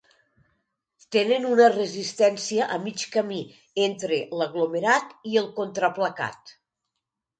Tenen una resistència a mig camí entre l'aglomerat i el contraplacat.